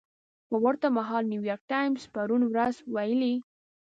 په ورته مهال نیویارک ټایمز پرون ورځ ویلي